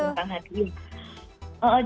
sambal goreng kentang ati